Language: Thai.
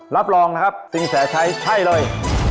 รับรองนะครับสินแสชัยใช่เลย